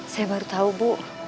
saya baru tau bu